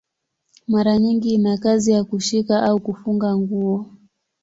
Mara nyingi ina kazi ya kushika au kufunga nguo.